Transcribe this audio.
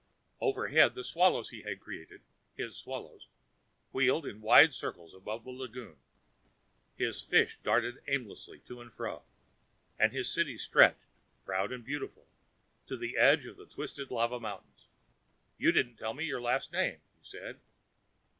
Overhead, the swallows he had created his swallows wheeled in wide circles above the lagoon, his fish darted aimlessly to and fro, and his city stretched, proud and beautiful, to the edge of the twisted lava mountains. "You didn't tell me your last name," he said.